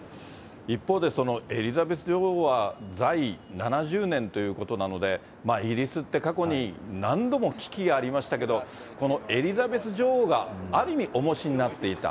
一方で、エリザベス女王は在位７０年ということなので、イギリスって過去に何度も危機ありましたけど、このエリザベス女王が、ある意味、おもしになっていた。